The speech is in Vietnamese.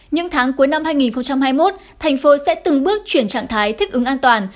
những tháng cuối năm hai nghìn hai mươi một thành phố sẽ từng bước chuyển trạng thái thích ứng an toàn